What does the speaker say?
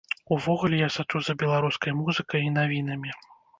Увогуле я сачу за беларускай музыкай і навінамі.